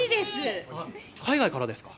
海外からですか？